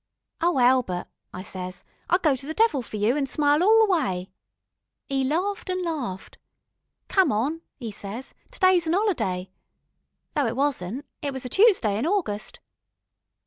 'Ow, Elbert,' I ses, 'I'd go to the Devil for you, an' smile all the way.' 'E laughed an' laughed. 'Come on,' 'e ses, 'to day's an 'oliday.' Though it wasn't, it was a Tuesday in August.